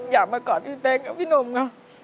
อยากมากอบพี่แป๊งกับพี่นมนะ